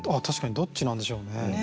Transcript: どっちなんでしょうね。